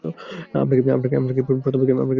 আমরা কি প্রথম থেকে শুরু করতে পারি?